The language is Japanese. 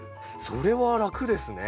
それは楽ですね。